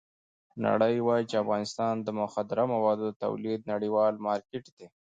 نړۍ وایي چې افغانستان د مخدره موادو د تولید نړیوال مارکېټ دی.